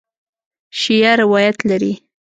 شیعه روایت لري.